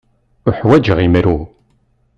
Uḥwaǧeɣ imru.